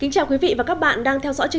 cảm ơn các bạn đã theo dõi